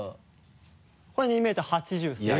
これ２ｍ８０ｃｍですね。